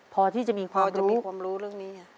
พอที่จะมีความจะมีความรู้เรื่องนี้